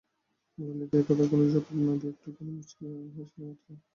ললিতা এ কথার কোনো জবাব না দিয়া একটুখানি মুচকিয়া হাসিল মাত্র।